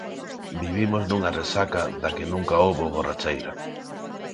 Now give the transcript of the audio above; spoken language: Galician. Vivimos nunha resaca da que nunca houbo borracheira.